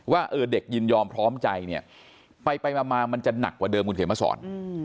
ว่าเด็กยินยอมพร้อมใจเนี่ยไปมามันจะหนักกว่าเดิมคุณเขียนมาสอน